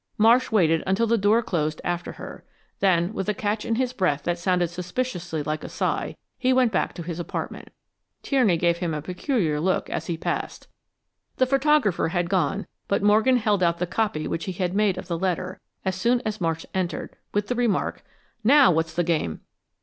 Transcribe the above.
Marsh waited until the door closed after her. Then, with a catch in his breath that sounded suspiciously like a sigh, he went back to his apartment. Tierney gave him a peculiar look as he passed. The photographer had gone, but Morgan held out the copy which he had made of the letter as soon as Marsh entered, with the remark, "Now, what's the game?"